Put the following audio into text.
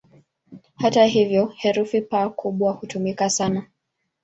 Hata hivyo, herufi "P" kubwa hutumika sana.